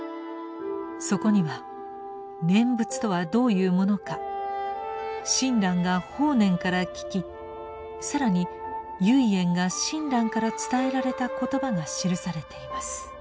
そこには念仏とはどういうものか親鸞が法然から聞き更に唯円が親鸞から伝えられた言葉が記されています。